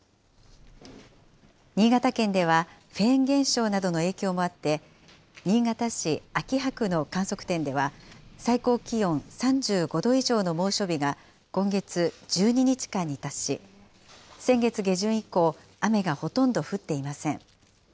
新潟県では、フェーン現象などの影響もあって、新潟市秋葉区の観測点では、最高気温３５度以上の猛暑日が今月、１２日間に達し、先月下旬以降、雨がほとんど降っていません。